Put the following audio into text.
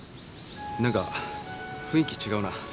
何か雰囲気違うな。